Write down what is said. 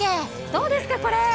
どうですか、これ。